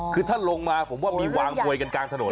คือถ้าลงมาผมว่ามีวางมวยกันกลางถนน